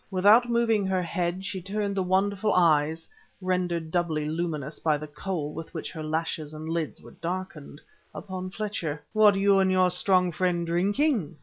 Without moving her head she turned the wonderful eyes (rendered doubly luminous by the kohl with which her lashes and lids were darkened) upon Fletcher. "What you and your strong friend drinking?"